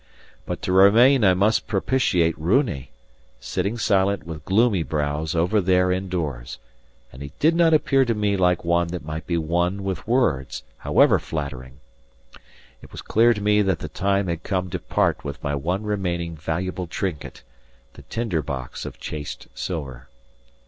But to remain I must propitiate Runi, sitting silent with gloomy brows over there indoors; and he did not appear to me like one that might be won with words, however flattering. It was clear to me that the time had come to part with my one remaining valuable trinket the tinder box of chased silver.